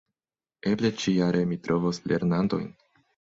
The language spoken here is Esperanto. Eble ĉijare mi trovos lernantojn.